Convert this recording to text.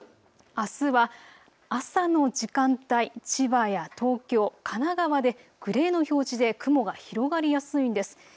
あすは朝の時間帯、千葉や東京神奈川でグレーの表示で雲が広がりやすいんです。